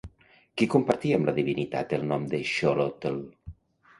Qui compartia amb la divinitat el nom de Xólotl?